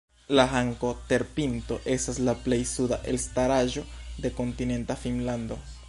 La Hanko-terpinto estas la plej suda elstaraĵo de kontinenta Finnlando.